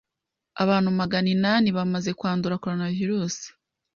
abantu Magana inani bamaze kwandura coronavirus,